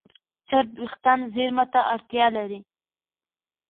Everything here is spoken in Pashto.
چرب وېښتيان زېرمه ته اړتیا لري.